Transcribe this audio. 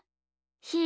ひー